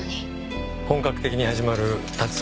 本格的に始まる竜追